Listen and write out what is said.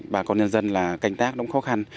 bà con nhân dân là canh tác nó cũng khó khăn